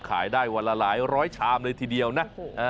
ขายได้วันละหลายร้อยชามเลยทีเดียวนะ